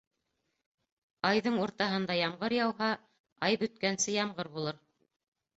Айҙың уртаһында ямғыр яуһа, ай бөткәнсе ямғыр булыр.